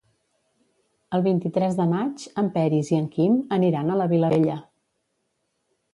El vint-i-tres de maig en Peris i en Quim aniran a la Vilavella.